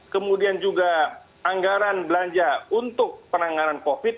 kemudian juga anggaran belanja untuk penanganan covid sembilan belas